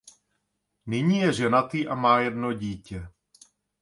Nyní je ženatý a má jedno dítě.